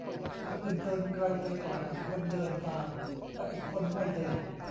"คนหนึ่งเดินไกลไปกว่า อีกคนเดินตาม และอีกคนไม่เดิน"